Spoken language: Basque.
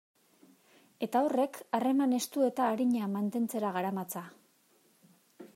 Eta horrek harreman estu eta arina mantentzera garamatza.